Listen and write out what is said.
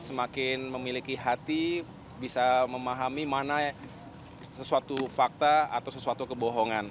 semakin memiliki hati bisa memahami mana sesuatu fakta atau sesuatu kebohongan